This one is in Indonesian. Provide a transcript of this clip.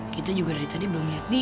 kita juga dari tadi belum liat dia